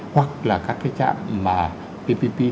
hoặc là các cái trạm ppp